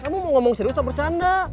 kamu mau ngomong serius atau bercanda